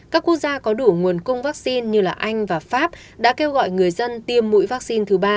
các quốc gia có đủ nguồn cung vaccine như anh và pháp đã kêu gọi người dân tiêm mũi vaccine thứ ba